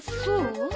そう？